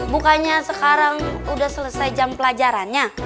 bukannya sekarang sudah selesai jam pelajarannya